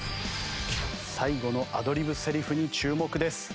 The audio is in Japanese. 最後のアドリブセリフに注目です。